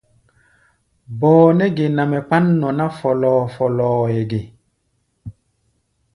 Bɔɔ nɛ́ ge nɛ mɛ kpán nɔ ná fɔ́lɔ́ɔ́-fɔ́lɔ́ɔ́ʼɛ ge?